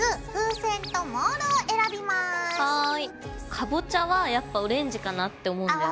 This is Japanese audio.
かぼちゃはやっぱオレンジかなって思うんだよね。